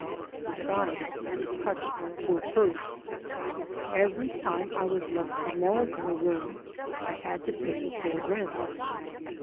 Besides, it touched my poor purse. Every time I was left alone in a room I had to pay the full rent.